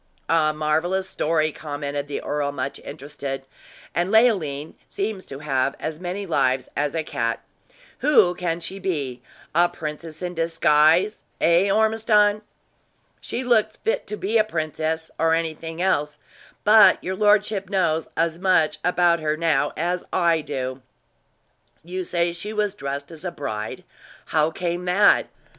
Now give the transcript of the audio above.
"A marvelous story," commented the earl, much interested. "And Leoline seems to have as many lives as a cat! Who can she be a princess in disguise eh, Ormiston?" "She looks fit to be a princess, or anything else; but your lordship knows as much about her, now, as I do." "You say she was dressed as a bride how came that?"